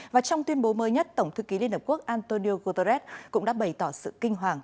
và trong tuyên bố mới nhất tổng thư ký liên hợp quốc antonio guterres cũng đã bày tỏ sự kinh hoàng